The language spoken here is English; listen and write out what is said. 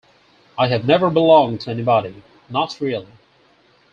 I’ve never belonged to anybody — not really.